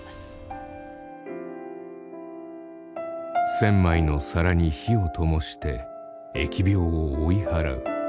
千枚の皿に火をともして疫病を追い払う。